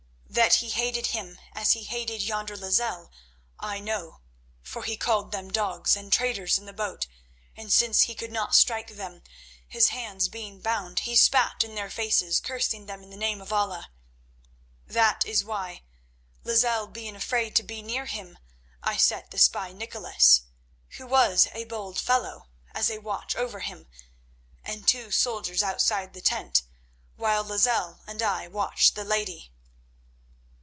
That he hated him as he hated yonder Lozelle I know, for he called them dogs and traitors in the boat; and since he could not strike them, his hands being bound, he spat in their faces, cursing them in the name of Allah. That is why, Lozelle being afraid to be near him, I set the spy Nicholas, who was a bold fellow, as a watch over him, and two soldiers outside the tent, while Lozelle and I watched the lady."